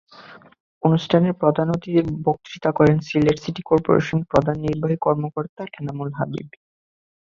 অনুষ্ঠানে প্রধান অতিথির বক্তৃতা করেন সিলেট সিটি করপোরেশনের প্রধান নির্বাহী কর্মকর্তা এনামুল হাবীব।